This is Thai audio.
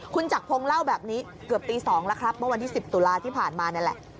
คุณจักรพงศ์เล่าแบบนี้เกือบตี๒แล้วครับเมื่อวันที่๑๐ตุลาที่ผ่านมานี่แหละ